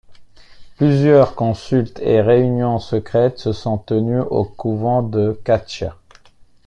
Plusieurs consultes et réunions secrètes se sont tenues au couvent de Caccia.